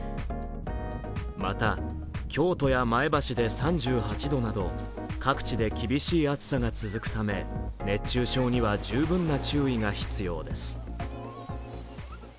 また、京都や前橋で３８度など、各地で厳しい暑さが続くため熱中症には十分な注意が必要です。